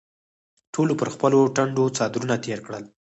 ټولو پر خپلو ټنډو څادرونه تېر کړل.